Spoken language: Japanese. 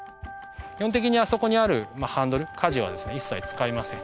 基本的にあそこにあるハンドル舵はですね一切使いません。